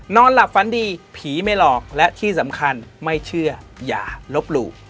นอนหลับฝันดีผีไม่หลอกและที่สำคัญไม่เชื่ออย่าลบหลู่